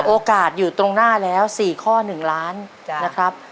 โอกาสอยู่ตรงหน้าแล้ว๔ข้อ๑ล้านนะครับ